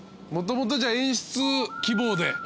もともとじゃあ演出希望で。